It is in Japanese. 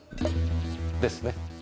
ですね。